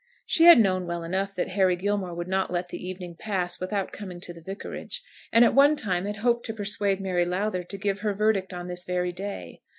She had known well enough that Harry Gilmore would not let the evening pass without coming to the vicarage, and at one time had hoped to persuade Mary Lowther to give her verdict on this very day.